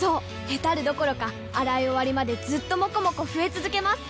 ヘタるどころか洗い終わりまでずっともこもこ増え続けます！